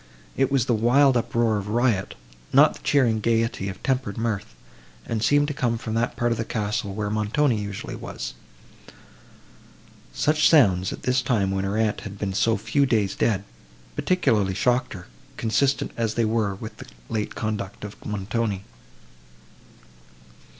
It was the wild uproar of riot, not the cheering gaiety of tempered mirth; and seemed to come from that part of the castle, where Montoni usually was. Such sounds, at this time, when her aunt had been so few days dead, particularly shocked her, consistent as they were with the late conduct of Montoni.